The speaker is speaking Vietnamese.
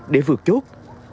để vượt chốt